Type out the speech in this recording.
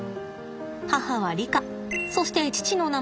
母はリカそして父の名前はアフ。